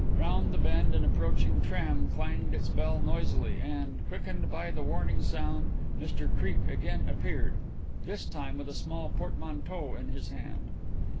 Round the bend an approaching tram clanged its bell noisily, and, quickened by the warning sound, Mr Creake again appeared, this time with a small portmanteau in his hand.